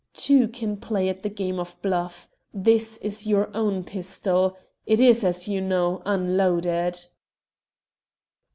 Two can play at the game of bluff. This is your own pistol. It is, as you know, unloaded."